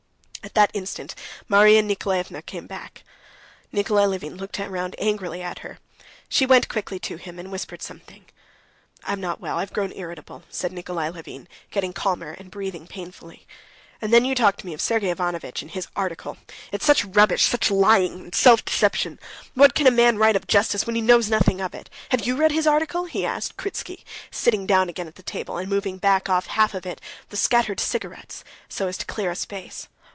At that instant Marya Nikolaevna came back. Nikolay Levin looked round angrily at her. She went quickly to him, and whispered something. "I'm not well; I've grown irritable," said Nikolay Levin, getting calmer and breathing painfully; "and then you talk to me of Sergey Ivanovitch and his article. It's such rubbish, such lying, such self deception. What can a man write of justice who knows nothing of it? Have you read his article?" he asked Kritsky, sitting down again at the table, and moving back off half of it the scattered cigarettes, so as to clear a space.